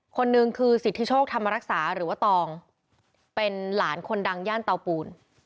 คนหนึ่งคือสิทธิโชคธรรมรักษาหรือว่าตองเป็นหลานคนดังย่านเตาปูน